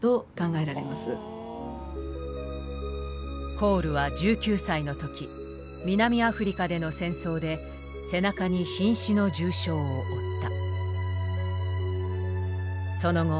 コールは１９歳のとき南アフリカでの戦争で背中にひん死の重傷を負った。